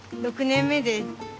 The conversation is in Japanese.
６年目です。